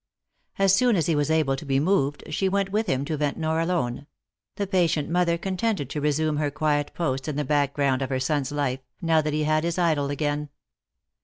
As soon as he was able to be moved, she went with him to Ventnor alone ; the patient mother contented to resume her quiet post in the background of her son's life, now that he had his idol again.